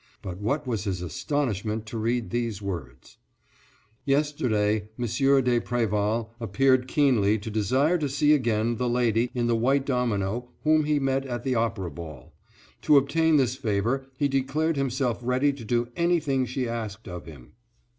But what was his astonishment to read these words: "Yesterday M. de Préval appeared keenly to desire to see again the lady in the white domino whom he met at the Opera Ball. To obtain this favor he declared himself ready to do anything she asked of him.